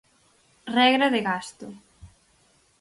Regra de gasto.